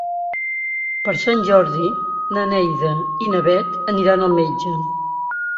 Per Sant Jordi na Neida i na Bet iran al metge.